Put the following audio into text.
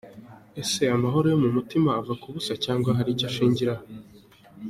Ese amahoro yo mutima ava ku busa cyangwa agira icyo ashingiraho?.